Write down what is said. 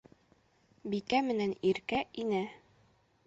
Бикә менән Иркә инә.